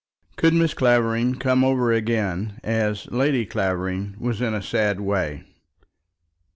Could Mrs. Clavering come over again, as Lady Clavering was in a sad way?